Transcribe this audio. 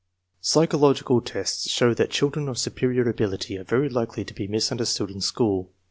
Psychological tests show that children of superior abil ity are very likely to be misunderstood in school.